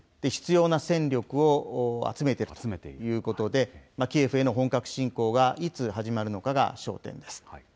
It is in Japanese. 必要な戦力を集めているということで、キエフへの本格侵攻がいつ始まるのかが焦点です。